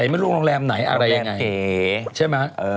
ต้องโรงแรมไหนอะไรยังไงต้องโรงแรมเต๋